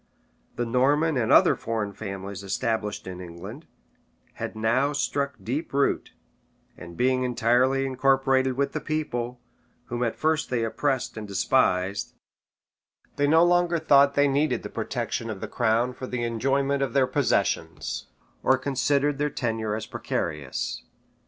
The Norman and other foreign families established in England, had now struck deep root; and being entirely incorporated with the people, whom at first they oppressed and despised, they no longer thought that they needed the protection of the crown for the enjoyment of their possessions, or considered their tenure as precarious.